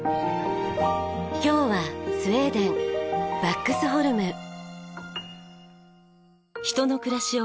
今日はスウェーデンヴァックスホルム。